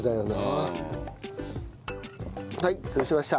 はい潰しました。